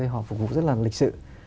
họ phục vụ rất là lịch sự